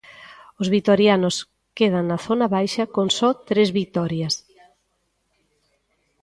Os vitorianos quedan na zona baixa con só tres vitorias.